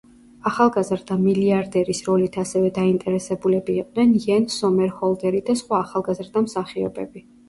ახალგაზრდა მილიარდერის როლით ასევე დაინტერესებულები იყვნენ იენ სომერჰოლდერი და სხვა ახალგაზრდა მსახიობები.